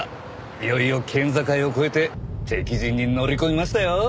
いよいよ県境を越えて敵陣に乗り込みましたよ！